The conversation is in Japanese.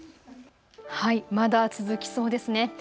まだ続きそうですね。